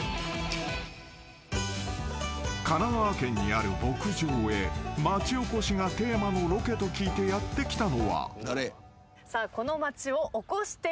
［神奈川県にある牧場へ町おこしがテーマのロケと聞いてやって来たのは］